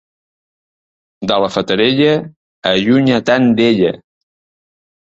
De la Fatarella, allunya-te'n d'ella.